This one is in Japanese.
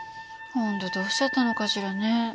本当どうしちゃったのかしらね。